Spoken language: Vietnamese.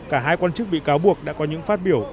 cả hai quan chức bị cáo buộc đã có những phát biểu